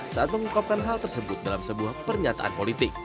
saat mengungkapkan hal tersebut dalam sebuah pernyataan politik